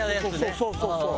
そうそうそう。